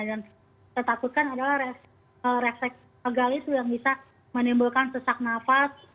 dan tertakutkan adalah refleks pagal itu yang bisa menimbulkan sesak nafal